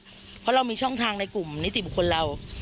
เพราะเรามีช่องทางในกลุ่มนิติบุคคลเรา